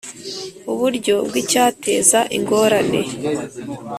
Uburyo bw icyateza ingorane